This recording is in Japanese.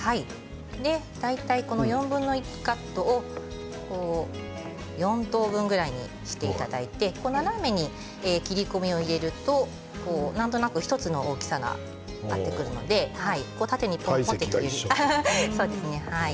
大体４分の１カットを４等分ぐらいにしていただいて斜めに切り込みを入れるとなんとなく１つの大きさが合ってくるので確かに。